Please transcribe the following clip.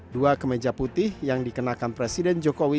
dua kemeja putih yang dikenakan presiden jokowi